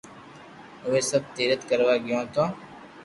اووي سب تيرٿ ڪروا گيو تو